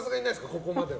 ここまでは。